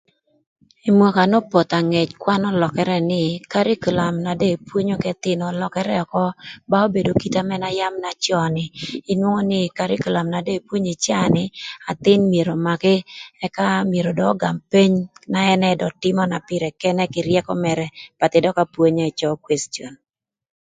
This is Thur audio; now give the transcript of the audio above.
Ï mwaka n'opoth angec kwan ölökërë nï karikulam na de epwonyo k'ëthïnö ölökërë ökö, ba obedo kite na yam na cön ni. Inwongo nï karikulam na de epwonyo ï caa ni athïn myero ömakï ëka myero do ögam peny na tïmö na pïrë kʷnë kï ryëkö mërë pathï dök apwony ënë cöö kwecion.